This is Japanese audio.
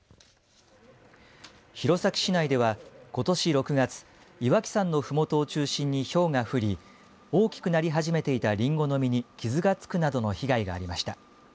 弘前市内では、ことし６月岩木山のふもとを中心にひょうが降り大きくなり始めていたりんごの実に傷がつくなどの被害がありました。